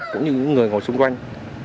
cũng như những người ngồi xung quanh